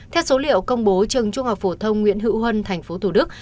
theo số liệu công bố trường trung học phổ thông nguyễn hữu huân tp hcm